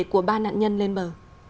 của ba nạn nhân lên bờ